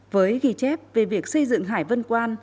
với ghi chép về việc xây dựng hải vân quan